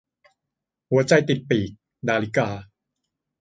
หัวใจติดปีก - ดาริกา